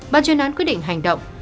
ban chuyên án quyết định hành động